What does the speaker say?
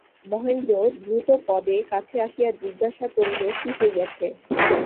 মহেন্দ্র দ্রুতপদে কাছে আসিয়া জিজ্ঞাসা করিল, কী হইয়াছে।